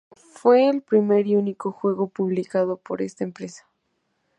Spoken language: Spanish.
Fue el primer y único juego publicado por esta empresa.